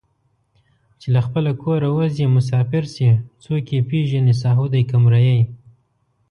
چې له خپله کوره اوځي مسافر شي څوک یې پېژني ساهو دی که مریی